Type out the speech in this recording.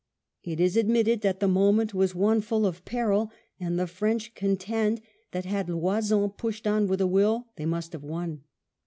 It is admitted that the moment was one full of peril, and the French contend that had Loison pushed on with a will they must have won.